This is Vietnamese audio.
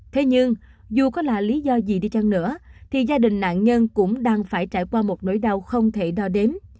thế nhưng dù có là lý do gì đi chăng nữa thì gia đình nạn nhân cũng đang phải trải qua một nỗi đau không thể đo đếm